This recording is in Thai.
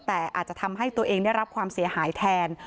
แต่อาจจะทำให้ตัวเองได้รับความเสียหายแทน